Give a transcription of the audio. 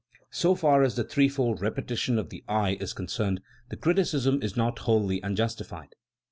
So far as the threefold repetition of the "I" is concerned the criticism is not wholly unjustified.